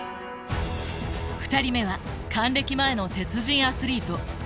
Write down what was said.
２人目は還暦前の鉄人アスリート。